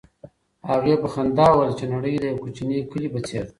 هغې په خندا وویل چې نړۍ د یو کوچني کلي په څېر ده.